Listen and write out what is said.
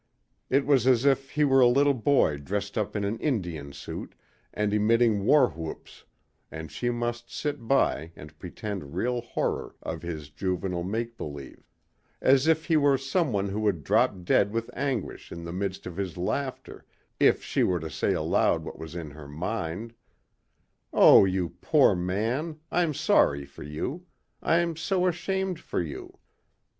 It was as if he were a little boy dressed up in an Indian suit and emitting war whoops and she must sit by and pretend real horror of his juvenile make believe; as if he were someone who would drop dead with anguish in the midst of his laughter if she were to say aloud what was in her mind, "Oh you poor man, I'm sorry for you. I'm so ashamed for you."